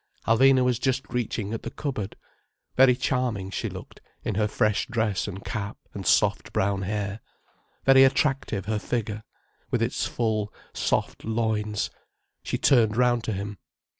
Alvina was just reaching at the cupboard. Very charming she looked, in her fresh dress and cap and soft brown hair, very attractive her figure, with its full, soft loins. She turned round to him.